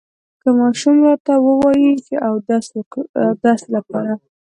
هغه ماشوم راته ووې چې اودس لپاره